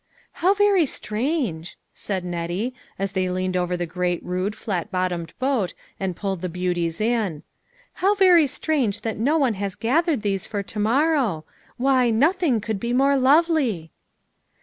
"How very strange," said Nettie, as they leaned over the great rude, flat bottomed boat and pulled the beauties in ;" how very strange that no one has gathered these for to morrow. Why, nothing could be more lovely